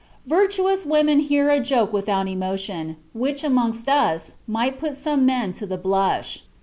... Virtuous women hear a joke without emotion, which, amongst us, might put some men to the blush.